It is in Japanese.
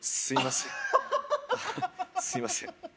すいません